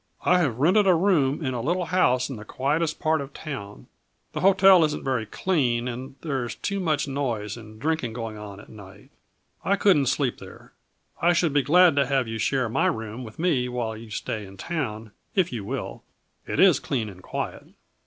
"I have rented a room in a little house in the quietest part of town. The hotel isn't very clean and there is too much noise and drinking going on at night. I couldn't sleep there. I should be glad to have you share my room with me while you stay in town, if you will. It is clean and quiet."